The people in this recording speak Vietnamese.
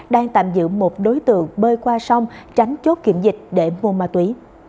đang tạm giữ một đối tượng bơi qua sông tránh chốt kiểm dịch để mua ma túy